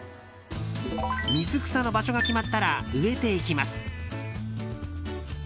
水草の場所が決まったら植えていきます。